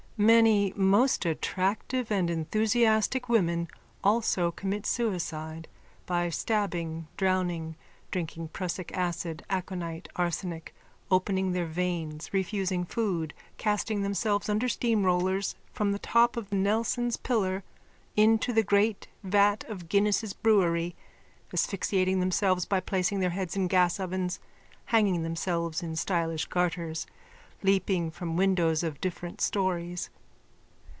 _ _(Many most attractive and enthusiastic women also commit suicide by stabbing, drowning, drinking prussic acid, aconite, arsenic, opening their veins, refusing food, casting themselves under steamrollers, from the top of Nelson's Pillar, into the great vat of Guinness's brewery, asphyxiating themselves by placing their heads in gasovens, hanging themselves in stylish garters, leaping from windows of different storeys.)